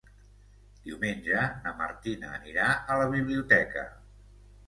Diumenge na Martina anirà a la biblioteca.